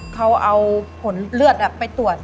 เขาเอาผลเลือดไปตรวจ